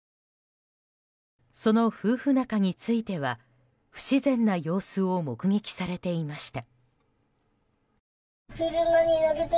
その夫婦仲については不自然な様子を目撃されていました。